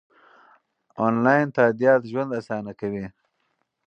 انلاین تادیات ژوند اسانه کوي.